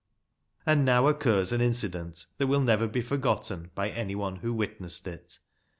And now occurs an incident that will never be forgotten by any one who witnessed it.